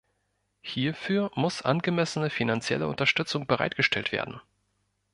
Hierfür muss angemessene finanzielle Unterstützung bereitgestellt werden.